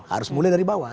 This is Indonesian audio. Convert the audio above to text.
harus mulai dari bawah